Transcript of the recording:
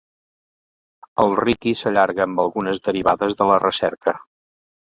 El Riqui s'allarga amb algunes derivades de la recerca.